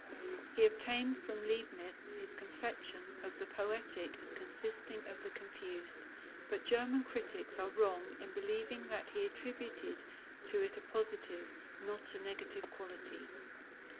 He obtained from Leibnitz his conception of the poetic as consisting of the confused, but German critics are wrong in believing that he attributed to it a positive, not a negative quality.